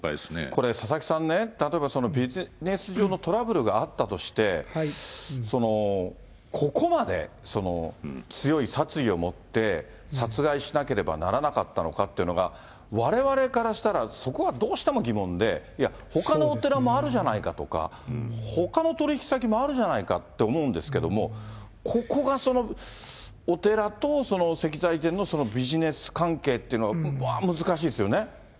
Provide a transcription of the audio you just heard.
これ、佐々木さんね、例えばそのビジネス上のトラブルがあったとして、ここまで強い殺意を持って、殺害しなければならなかったのかっていうのが、われわれからしたら、そこはどうしても疑問で、いや、ほかのお寺もあるじゃないかとか、ほかの取り引き先もあるじゃないかって思うんですけれども、ここがそのお寺と、その石材店のビジネス関係っていうの、難しいですよね。